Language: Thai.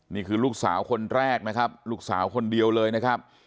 นี่คือลูกสาวคนแรกนะครับลูกสาวคนเดียวเลยนะครับ